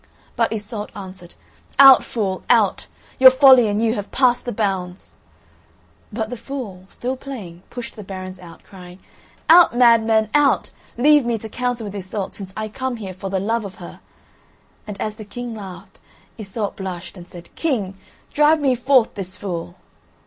But Iseult answered: "Out, fool, out! Your folly and you have passed the bounds!" But the fool, still playing, pushed the barons out, crying: "Out! madmen, out! Leave me to counsel with Iseult, since I come here for the love of her!" And as the King laughed, Iseult blushed and said: "King, drive me forth this fool!"